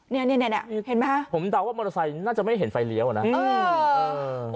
เนี่ยเห็นไหมฮะผมเดาว่ามอเตอร์ไซค์น่าจะไม่เห็นไฟเลี้ยวอ่ะนะเออเออ